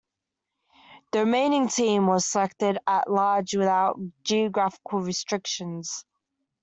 The remaining team was selected at-large without geographical restrictions.